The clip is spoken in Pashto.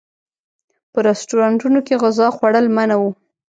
په رسټورانټونو کې غذا خوړل منع و.